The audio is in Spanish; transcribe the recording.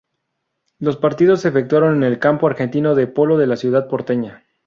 Los partidos se efectuaron en el Campo Argentino del Polo de la ciudad porteña.